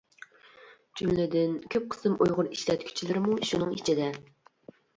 جۈملىدىن كۆپ قىسىم ئۇيغۇر ئىشلەتكۈچىلىرىمۇ شۇنىڭ ئىچىدە.